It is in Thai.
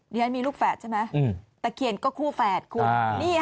ยันยันมีลูกแฝดใช่ไหมแต่เขียนก็คู่แฝดคุณนี่ค่ะ